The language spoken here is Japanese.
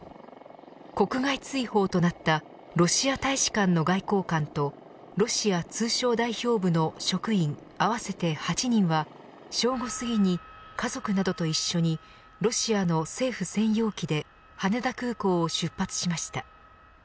国外追放となったロシア大使館の外交官とロシア通商代表部の職員合わせて８人は正午すぎに家族などと一緒にロシアの政府専用機で羽田空港を出発しました。